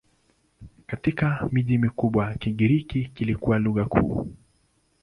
Katika miji mikubwa Kigiriki kilikuwa lugha kuu.